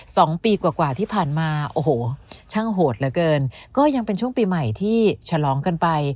สองปีกว่ากว่าที่ผ่านมาโอ้โหช่างโหดเหลือเกินก็ยังเป็นช่วงปีใหม่ที่ฉลองกันไป